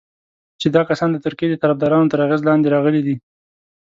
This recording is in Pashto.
چې دا کسان د ترکیې د طرفدارانو تر اغېز لاندې راغلي دي.